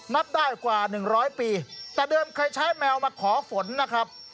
นับได้กว่า๑๐๐ปีแต่เดิมเคยใช้แมวมาขอฝนนะครับ